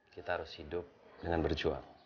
kita harus hidup dengan berjuang